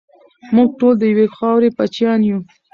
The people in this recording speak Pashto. موږ ټول د یوې خاورې بچیان یو.